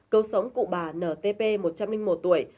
câu sống cụ bà ntp một trăm linh một tuổi